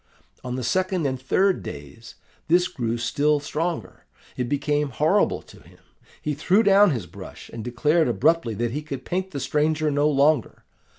On the second and third days this grew still stronger. It became horrible to him. He threw down his brush, and declared abruptly that he could paint the stranger no longer.